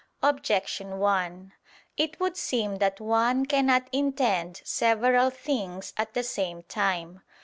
Objection 1: It would seem that one cannot intend several things at the same time.